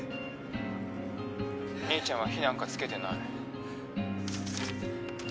「兄ちゃんは火なんかつけてない」